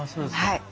はい。